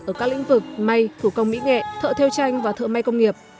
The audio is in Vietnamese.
ở các lĩnh vực may thủ công mỹ nghệ thợ theo tranh và thợ may công nghiệp